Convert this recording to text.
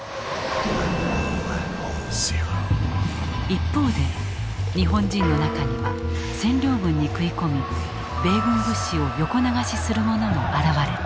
一方で日本人の中には占領軍に食い込み米軍物資を横流しする者も現れた。